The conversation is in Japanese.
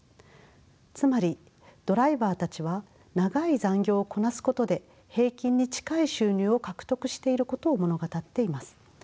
つまりドライバーたちは長い残業をこなすことで平均に近い収入を獲得していることを物語っています。